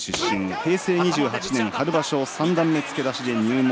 平成２８年春場所三段目付け出しで入門。